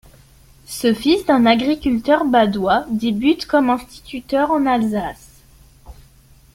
Ce fils d’un agriculteur badois débute comme instituteur en Alsace.